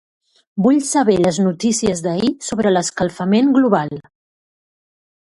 Vull saber les notícies d'ahir sobre l'escalfament global.